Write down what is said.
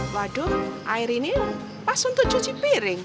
waduh air ini pas untuk cuci piring